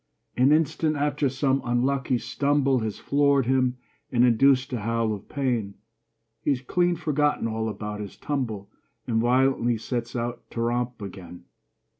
An instant after some unlucky stumble Has floored him and induced a howl of pain, He's clean forgotten all about his tumble And violently sets out to romp again.